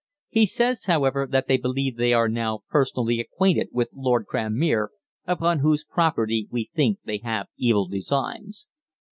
He says, however, that they believe they are now personally acquainted with Lord Cranmere, upon whose property we think they have evil designs.